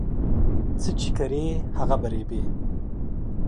څه چې کرې هغه په رېبې